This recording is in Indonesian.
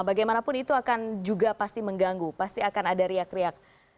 bagaimanapun itu akan juga pasti mengganggu pasti akan ada riak riak